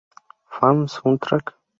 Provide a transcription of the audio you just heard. Farm Soundtrack.